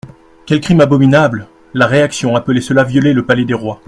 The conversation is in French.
Quel crime abominable ! La réaction appelait cela violer le palais des rois.